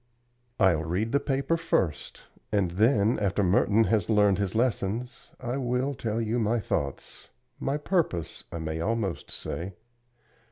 "I'll read the paper first, and then, after Merton has learned his lessons, I will tell you my thoughts my purpose, I may almost say.